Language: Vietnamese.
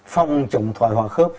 phòng chống thoải hóa khớp